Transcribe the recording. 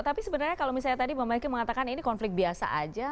tapi sebenarnya kalau misalnya tadi bang melki mengatakan ini konflik biasa aja